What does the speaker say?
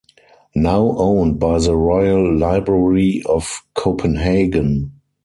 Now owned by the Royal Library of Copenhagen.